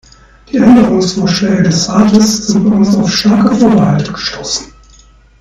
Die Änderungsvorschläge des Rates sind bei uns auf starke Vorbehalte gestoßen.